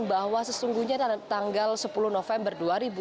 bahwa sesungguhnya tanggal sepuluh november dua ribu tujuh belas